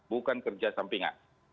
bukan kerja sampingan